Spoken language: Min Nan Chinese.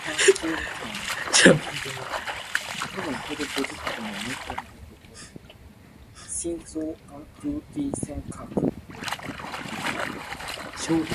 老神在在